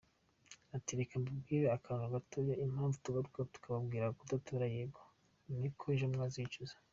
Ati “reka mbabwire akantu gatoya, impamvu tugaruka kubabwira kudatora yego, ni uko ejo mwazicuza”.